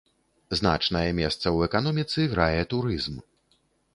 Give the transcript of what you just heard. Значнае месца ў эканоміцы грае турызм.